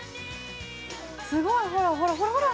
すごい、ほらほら。